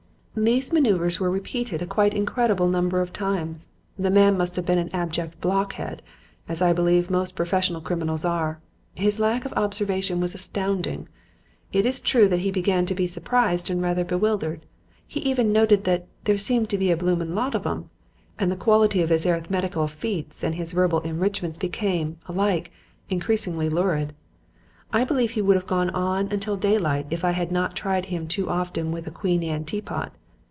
"These manoeuvres were repeated a quite incredible number of times. The man must have been an abject blockhead, as I believe most professional criminals are. His lack of observation was astounding. It is true that he began to be surprised and rather bewildered. He even noted that 'there seemed a bloomin' lot of 'em;' and the quality of his arithmetical feats and his verbal enrichments became, alike, increasingly lurid. I believe he would have gone on until daylight if I had not tried him too often with a Queen Anne teapot.